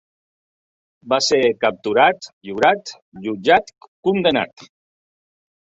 Va ser capturat, lliurat, jutjat, condemnat.